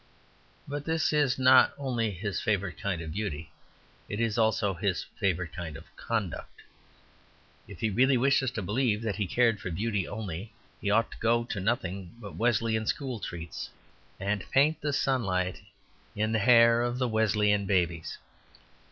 But this is not only his favourite kind of beauty; it is also his favourite kind of conduct. If he really wished us to believe that he cared for beauty only, he ought to go to nothing but Wesleyan school treats, and paint the sunlight in the hair of the Wesleyan babies.